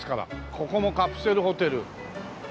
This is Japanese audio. ここもカプセルホテル。